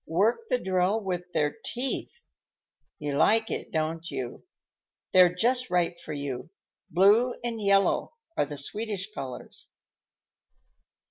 Work the drill with their teeth. You like it, don't you? They're just right for you. Blue and yellow are the Swedish colors."